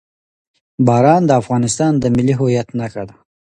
باران د افغانستان د ملي هویت نښه ده.